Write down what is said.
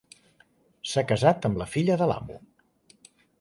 S'ha casat amb la filla de l'amo.